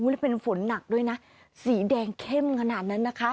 แล้วเป็นฝนหนักด้วยนะสีแดงเข้มขนาดนั้นนะคะ